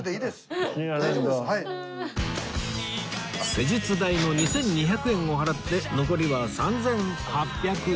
施術代の２２００円を払って残りは３８００円